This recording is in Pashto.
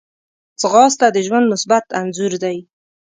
ځغاسته د ژوند مثبت انځور دی